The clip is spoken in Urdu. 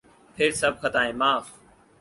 پھر سب خطائیں معاف۔